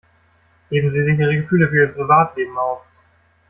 Heben Sie sich Ihre Gefühle für Ihr Privatleben auf!